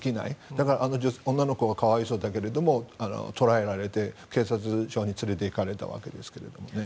だから、あの女の子が可哀想だけれど捕らえられて、警察署に連れていかれたわけですけどね。